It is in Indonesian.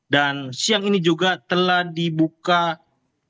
dan siang ini juga telah dibuka posko pengungsian serta dapur umum